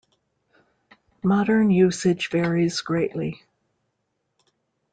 Modern usage varies greatly.